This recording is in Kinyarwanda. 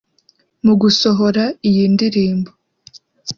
Mu gusohora iyi ndirimbo